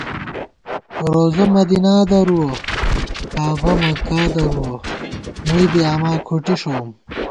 رَوضہ مدینا درُوَہ کعبہ مکا درُوَہ ، مُوبی آما کُھٹی ݭَوُم